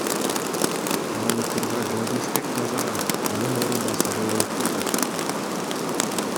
Ал учурда Жолдошбек Назаров анын орун басары болуп турган.